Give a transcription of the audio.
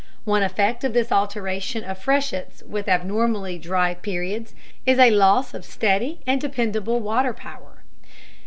One effect of this alternation of freshets with abnormally dry periods is a loss of steady and dependable water power.